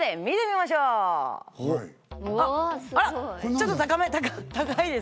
ちょっと高め高いですね。